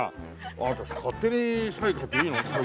あなた勝手にサイン書いていいの？